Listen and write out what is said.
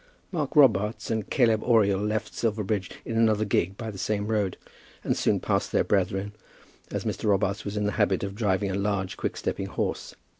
Mark Robarts and Caleb Oriel left Silverbridge in another gig by the same road, and soon passed their brethren, as Mr. Robarts was in the habit of driving a large, quick stepping horse.